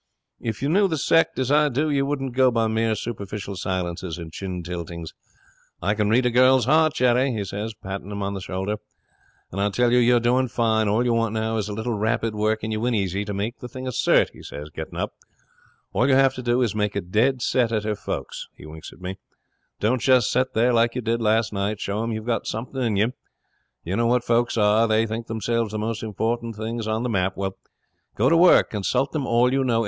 If you knew the sect as I do you wouldn't go by mere superficial silences and chin tiltings. I can read a girl's heart, Jerry," he says, patting him on the shoulder, "and I tell you you're doing fine. All you want now is a little rapid work, and you win easy. To make the thing a cert," he says, getting up, "all you have to do is to make a dead set at her folks." He winks at me. "Don't just sit there like you did last night. Show 'em you've got something in you. You know what folks are: they think themselves the most important things on the map. Well, go to work. Consult them all you know.